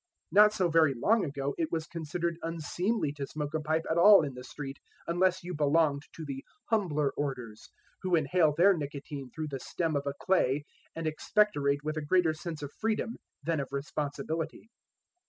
Not so very long ago it was considered unseemly to smoke a pipe at all in the street unless you belonged to the humbler orders, who inhale their nicotine through the stem of a clay and expectorate with a greater sense of freedom than of responsibility."